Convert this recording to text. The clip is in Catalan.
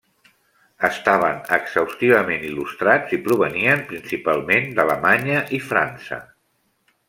Estaven exhaustivament il·lustrats i provenien principalment d'Alemanya i França.